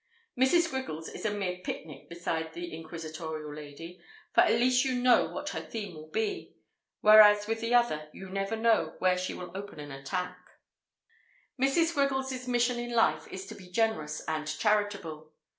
Mrs. Griggles is a mere picnic beside the inquisitorial lady, for at least you know what her theme will be; whereas with the other you never know where she will open an attack. Mrs. Griggles' mission in life is to be generous and charitable.